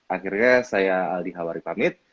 akhirnya saya aldi hawari pamit